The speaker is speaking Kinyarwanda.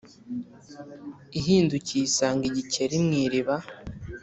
ihindukiye isanga igikeri mu iriba